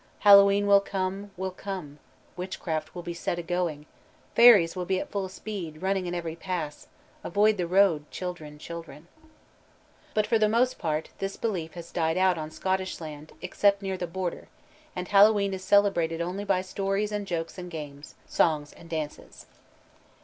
"Hallowe'en will come, will come, Witchcraft will be set a going, Fairies will be at full speed, Running in every pass. Avoid the road, children, children." But for the most part this belief has died out on Scottish land, except near the Border, and Hallowe'en is celebrated only by stories and jokes and games, songs and dances.